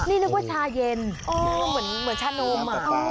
นี่นึกว่าชาเย็นเหมือนชานม